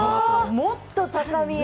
もっと高みへ。